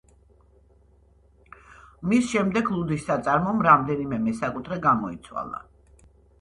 მის შემდეგ ლუდის საწარმომ რამდენიმე მესაკუთრე გამოიცვალა.